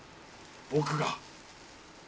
僕が。